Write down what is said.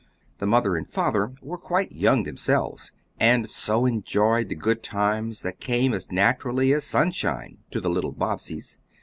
The mother and father were quite young themselves, and so enjoyed the good times that came as naturally as sunshine to the little Bobbseys.